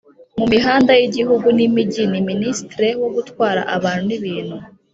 mu mihanda y’igihugu n’imigi ni ministre wo gutwara abantu n’ibintu